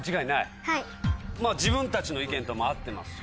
自分たちの意見とも合ってます